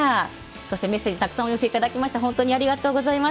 そしてメッセージたくさんお寄せいただきまして本当にありがとうございます。